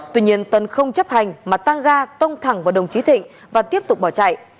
tuy nhiên tân không chấp hành mà tăng ga tông thẳng vào đồng chí thịnh và tiếp tục bỏ chạy